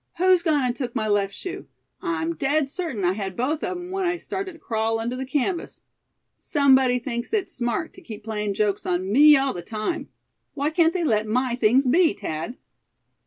"Who's gone and took my left shoe? I'm dead certain I had both of 'em when I started to crawl under the canvas. Somebody thinks it smart to keep playin' jokes on me all the time. Why can't they let my things be, Thad?"